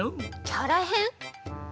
キャラへん？